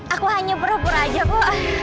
aku hanya pura pura aja bu